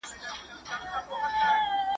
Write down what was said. o موږ چي غله سوو، بيا سپوږمۍ راوخته.